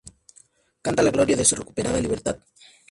Canta la gloria de su recuperada libertad.